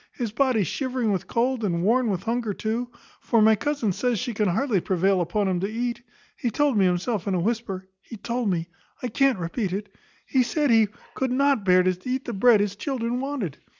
His body shivering with cold, and worn with hunger too; for my cousin says she can hardly prevail upon him to eat. He told me himself in a whisper he told me I can't repeat it he said he could not bear to eat the bread his children wanted.